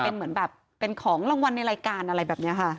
เป็นเหมือนแบบเป็นของรางวัลในรายการอะไรแบบนี้ค่ะ